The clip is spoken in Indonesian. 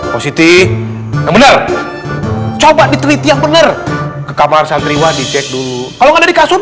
positi yang bener coba diteliti yang bener ke kamar santriwa dicek dulu kalau ada di kasur